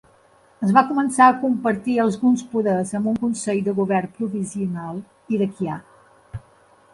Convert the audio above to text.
Es va començar a compartir alguns poders amb un consell de govern provisional iraquià.